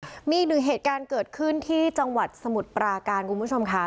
อีกหนึ่งเหตุการณ์เกิดขึ้นที่จังหวัดสมุทรปราการคุณผู้ชมค่ะ